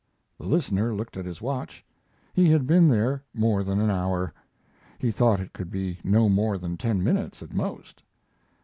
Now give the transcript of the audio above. The listener looked at his watch; he had been there more than an hour. He thought it could be no more than ten minutes, at most.